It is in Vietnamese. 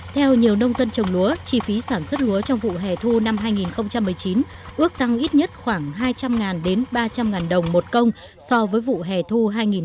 theo nhiều nông dân trồng lúa chi phí sản xuất lúa trong vụ hẻ thu năm hai nghìn một mươi chín ước tăng ít nhất khoảng hai trăm linh đến ba trăm linh đồng một công so với vụ hẻ thu hai nghìn một mươi tám